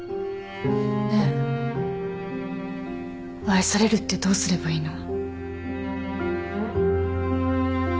愛されるってどうすればいいの？